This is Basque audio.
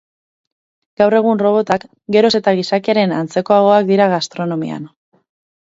Gaur egun, robotak geroz eta gizakiaren antzekoagoak dira gastronomian.